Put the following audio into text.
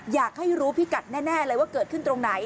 อยากให้รู้พิกัดแน่เลยว่าเกิดขึ้นตรงไหน